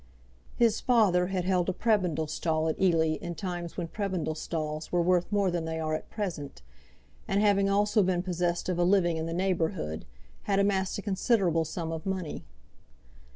His father had held a prebendal stall at Ely in times when prebendal stalls were worth more than they are at present, and having also been possessed of a living in the neighbourhood, had amassed a considerable sum of money.